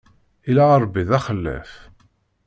Illa Ṛebbi d axellaf.